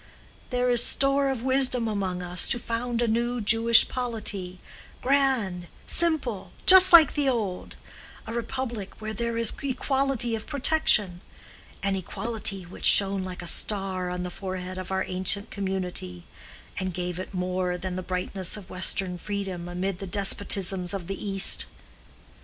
There is store of wisdom among us to found a new Jewish polity, grand, simple, just, like the old—a republic where there is equality of protection, an equality which shone like a star on the forehead of our ancient community, and gave it more than the brightness of Western freedom amid the despotisms of the East.